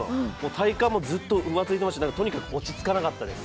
体幹もずっと浮ついてました、とにかく落ち着かなかったです。